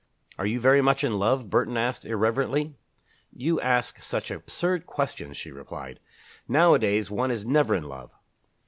"Are you very much in love?" Burton asked, irrelevantly. "You ask such absurd questions," she replied. "Nowadays, one is never in love."